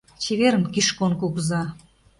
Чеверын, Кишкон Кугыжа!